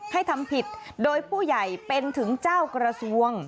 ทำผิดโดยผู้ใหญ่เป็นถึงเจ้ากระทรวง